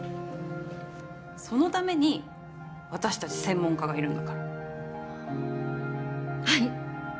そのために私達専門家がいるんだからはい！